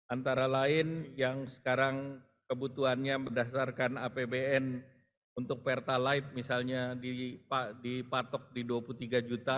antara lain yang sekarang kebutuhannya berdasarkan apbn untuk pertalite misalnya dipatok di dua puluh tiga juta